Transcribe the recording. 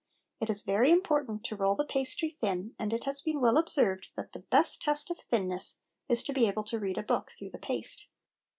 It is very important to roll the pastry thin, and it has been well observed that the best test of thinness is to be able to read a book through the paste.